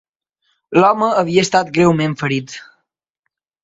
L'home havia estat greument ferit